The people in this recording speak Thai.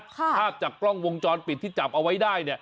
ครับภาพจากกล้องวงจรปิดที่จับเอาใช้ได้เนี่ย